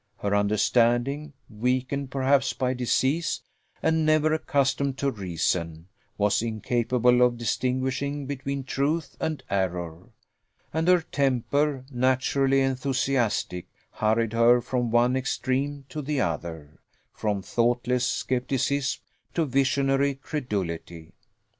Her understanding, weakened perhaps by disease, and never accustomed to reason, was incapable of distinguishing between truth and error; and her temper, naturally enthusiastic, hurried her from one extreme to the other from thoughtless scepticism to visionary credulity.